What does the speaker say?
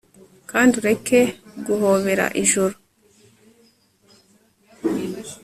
kandi ureke guhobera ijoro